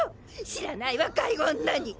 知らない若い女に！